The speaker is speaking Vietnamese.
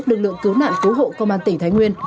lực lượng cứu nạn cứu hộ công an tỉnh thái nguyên